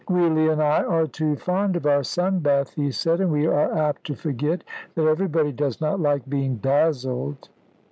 "Giulia and I are too fond of our sun bath," he said, "and we are apt to forget that everybody does not like being dazzled."